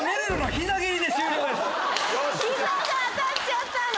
膝が当たっちゃったの！